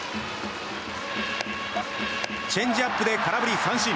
チェンジアップで空振り三振。